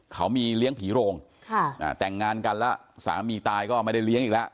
เขามีเลี้ยงผีโรงแต่งงานกันแล้วสามีตายก็ไม่ได้เลี้ยงอีกแล้ว